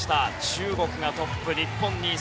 中国がトップ、日本２位。